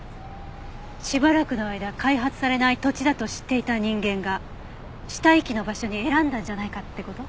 しばらくの間開発されない土地だと知っていた人間が死体遺棄の場所に選んだんじゃないかって事？